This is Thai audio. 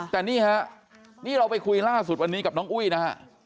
แต่นี่ฮะนี่เราไปคุยล่าสุดวันนี้กับน้องอุ้ยนะฮะ